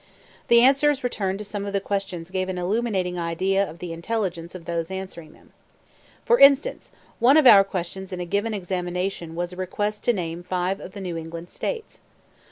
The answers returned to some of the questions gave an illuminating idea of the intelligence of those answering them. For instance, one of our questions in a given examination was a request to name five of the New England States.